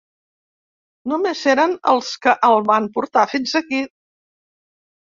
Només eren els que el van portar fins aquí.